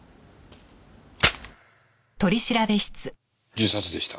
自殺でした。